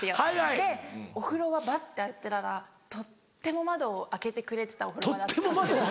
でお風呂場バッて開けたらとっても窓を開けてくれてたお風呂場だったんですね。